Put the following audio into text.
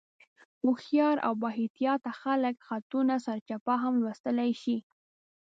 هوښیار او بااحتیاطه خلک خطونه سرچپه هم لوستلی شي.